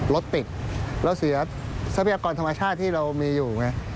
ลดติกแล้วเสียทรัพยากรธรรมชาติที่เรามีอยู่